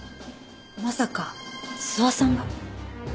まさか須波さんが？